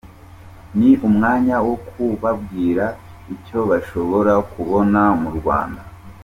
Ni umwanya wo kubabwira icyo bashobora kubona mu Rwanda.